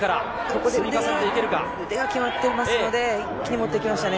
ここで腕が決まっていますので、一気に持っていきましたね。